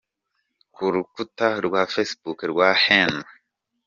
Ku rukuta rwa Facebook rwa Henri.